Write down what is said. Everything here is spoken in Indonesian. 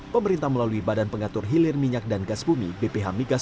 pemerintah melalui badan pengatur hilir minyak dan gas bumi bph migas